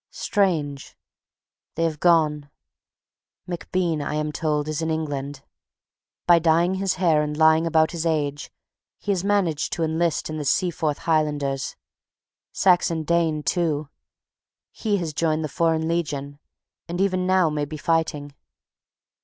Strange! They have gone. MacBean, I am told, is in England. By dyeing his hair and lying about his age he has managed to enlist in the Seaforth Highlanders. Saxon Dane too. He has joined the Foreign Legion, and even now may be fighting.